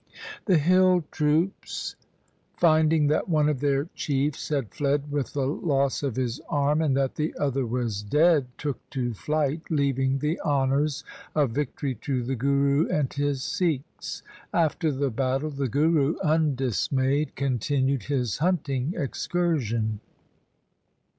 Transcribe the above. The hill troops, finding that one of their chiefs had fled with the loss of his arm, and that the other was dead, took to flight, leaving the honours of victory to the Guru and his Sikhs. After the battle the Guru, undismayed, continued his hunting excursion.